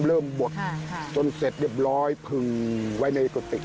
เริ่มบวชจนเสร็จเรียบร้อยพึงไว้ในกระติก